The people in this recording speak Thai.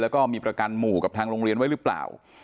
แล้วก็มีประกันหมู่กับทางโรงเรียนไว้หรือเปล่า